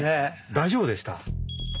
大丈夫でした？